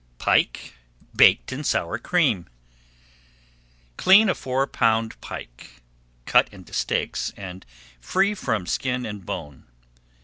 PIKE BAKED IN SOUR CREAM. Clean a four pound pike, cut into steaks, and free from skin and bone.